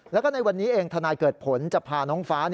แล้วก็ในวันนี้เองทนายเกิดผลจะพาน้องฟ้า